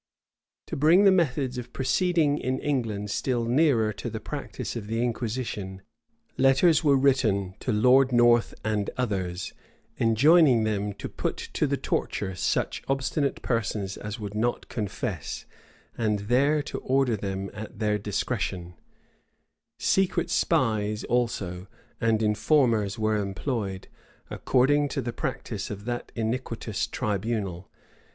To bring the methods of proceeding in England still nearer to the practice of the inquisition, letters were written to Lord North and others, enjoining them "to put to the torture such obstinate persons as would not confess, and there to order them at their discretion."[] * Burnet, vol. ii. Coll. 32. Burnet, vol. iii. p. 243. Secret spies, also, and informers were employed, according to the practice of that iniquitous tribunal.